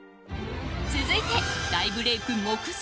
続いて、大ブレーク目前。